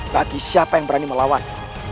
bagi siapa yang berani melawan